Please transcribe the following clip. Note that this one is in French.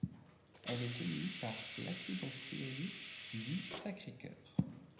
Elle est tenue par l'archiconfrérie du Sacré-Cœur.